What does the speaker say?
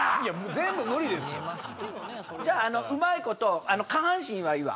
じゃあうまいこと下半身はいいわ。